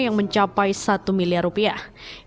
yang mencapai satu miliar rupiah